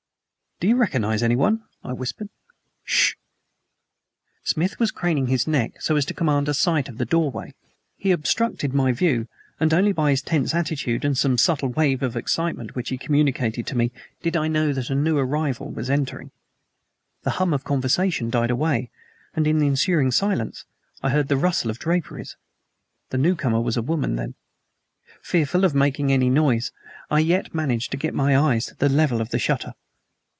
"Do you recognize anyone?" I whispered. "S sh!" Smith was craning his neck so as to command a sight of the doorway. He obstructed my view, and only by his tense attitude and some subtle wave of excitement which he communicated to me did I know that a new arrival was entering. The hum of conversation died away, and in the ensuing silence I heard the rustle of draperies. The newcomer was a woman, then. Fearful of making any noise I yet managed to get my eyes to the level of the shutter.